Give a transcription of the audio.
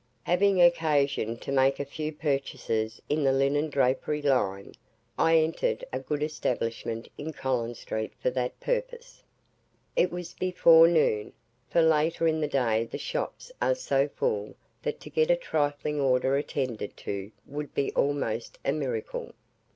Having occasion to make a few purchases in the linen drapery line, I entered a good establishment in Collins Street for that purpose. It was before noon, for later in the day the shops are so full that to get a trifling order attended to would be almost a miracle.